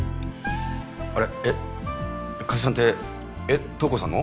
あれえっ加瀬さんってえっ瞳子さんの？